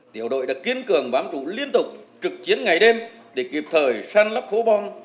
tiểu đội đã kiên cường bám trụ liên tục trực chiến ngày đêm để kịp thời săn lấp hố bom